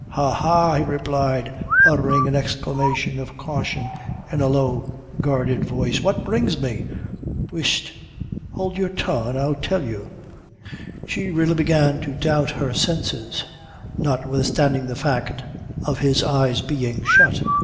"Ha! ha!" he replied, uttering an exclamation of caution in a low, guarded voice "what brings me? whisht, hould your tongue, an' I'll tell you." She really began to doubt her senses, notwithstanding the fact of his eyes being shut.